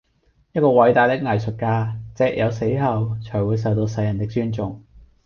一個偉大的藝術家隻有死後才會受到世人的尊重